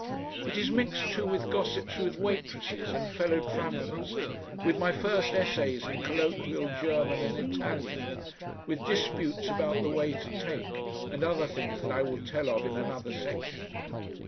It is mixed, too, with gossips with waitresses and fellow travellers, with my first essays in colloquial German and Italian, with disputes about the way to take, and other things that I will tell of in another section.